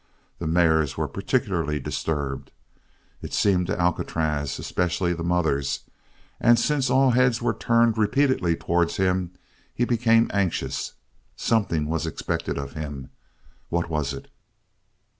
The mares were particularly disturbed, it seemed to Alcatraz, especially the mothers; and since all heads were turned repeatedly towards him he became anxious. Something was expected of him. What was it?